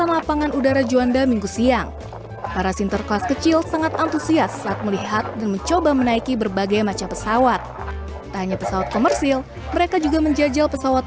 mereka pun berkesempatan menaiki sejumlah pesawat